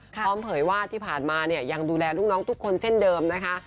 เผยว่าที่ผ่านมาเนี่ยยังดูแลลูกน้องทุกคนเช่นเดิมนะคะ